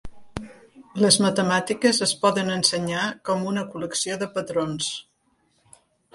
Les matemàtiques es poden ensenyar com a una col·lecció de patrons.